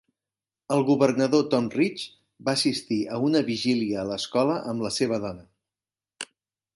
El governador Tom Ridge va assistir a una vigília a l'escola amb la seva dona.